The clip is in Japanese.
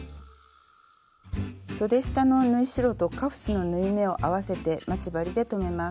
そで下の縫い代とカフスの縫い目を合わせて待ち針で留めます。